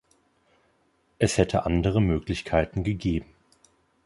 Es hätte andere Möglichkeiten gegeben.